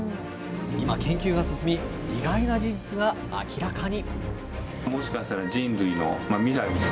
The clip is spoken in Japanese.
今、研究が進み、意外な事実が明らかに。